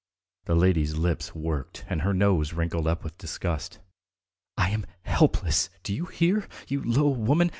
The lady's lips worked and her nose wrinkled up with disgust. "I am helpless, do you hear, you low woman?